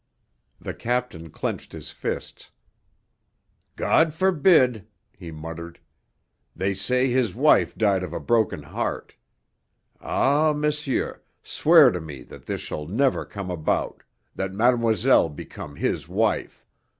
The captain clenched his fists. "God forbid!" he muttered. "They say his wife died of a broken heart. Ah, monsieur, swear to me that this shall never come about, that mademoiselle become his wife.